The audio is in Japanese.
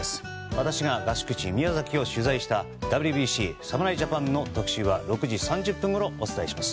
私が合宿地・宮崎を取材したＷＢＣ侍ジャパンの特集は６時３０分ごろお伝えします。